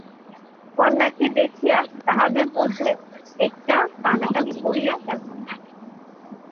কন্যাকে দেখিয়া তাঁহাদের মধ্যে একটা কানাকানি পড়িয়া গেল।